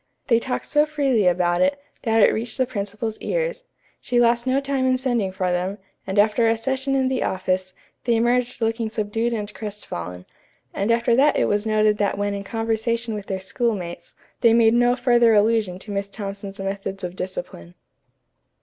They talked so freely about it, that it reached the principal's ears. She lost no time in sending for them, and after a session in the office, they emerged looking subdued and crestfallen; and after that it was noted that when in conversation with their schoolmates, they made no further allusion to Miss Thompson's methods of discipline.